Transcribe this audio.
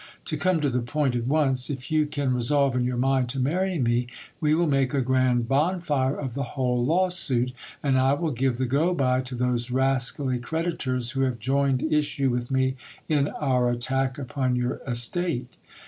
To come to the point at once, if you can resolve in your mind to marry me, we will make a grand bonfire of the whole lawsuit ; and I will give the go by to those rascally creditors, who have joined issue with me in our attack upon your t state.